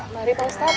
mari pak ustadz